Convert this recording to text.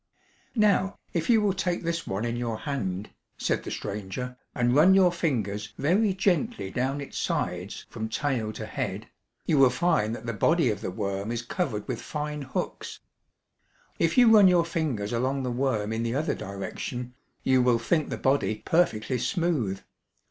"Now, if you will take this one in your hand," said the stranger, "and run your fingers very gently down its sides from tail to head, you will find that the body of the worm is covered with fine hooks. If you run your fingers along the worm in the other direction, you will think the body perfectly smooth.